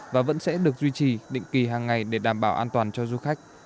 và vẫn sẽ được duy trì định kỳ hàng ngày để đảm bảo an toàn cho du khách